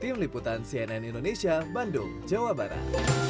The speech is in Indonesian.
tim liputan cnn indonesia bandung jawa barat